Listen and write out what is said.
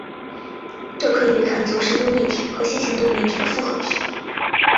这可以被看作是多面体和星形多面体的复合体。